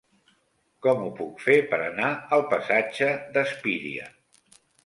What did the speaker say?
Com ho puc fer per anar al passatge d'Espíria?